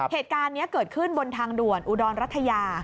เหตุการณ์นี้เกิดขึ้นบนทางด่วนอุดรรัฐยา